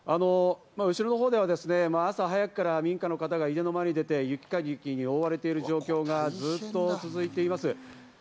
後ろのほうでは朝早くから民家の方が家の前に出て、雪かきに追われている状況がずっと続いています。